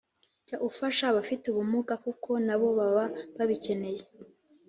Jya ufasha abafite ubumuga kuko nabo baba babikeneye